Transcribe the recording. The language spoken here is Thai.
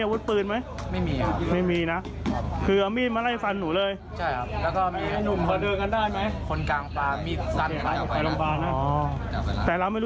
วิจักรกันอยู่ใช่มั้ย